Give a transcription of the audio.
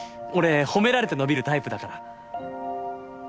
俺褒められて伸びるタイプだから。